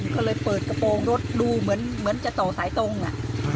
ก็เลยเปิดกระโปรงรถดูเหมือนจะต่อสายตรงอ่ะ